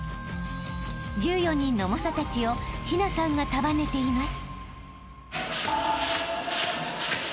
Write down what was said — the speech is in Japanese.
［１４人の猛者たちを陽奈さんが束ねています］